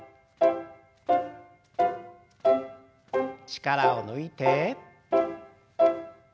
力を抜いて。